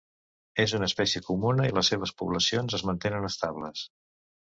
És una espècie comuna i les seves poblacions es mantenen estables.